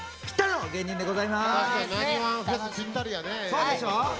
そうでしょ。